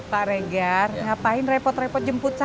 pak regar ngapain repot repot jemput